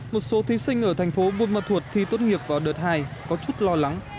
một số thí sinh ở thành phố buôn ma thuột thi tốt nghiệp vào đợt hai có chút lo lắng